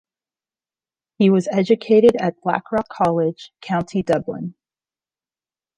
He was educated at Blackrock College, County Dublin.